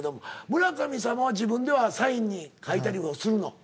「村神様」は自分ではサインに書いたりもするの？